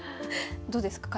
どうですか？